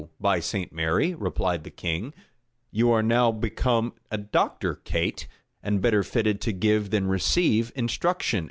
by St. Mary," replied the king; "you are now become a doctor, Kate, and better fitted to give than receive instruction."